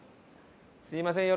すみません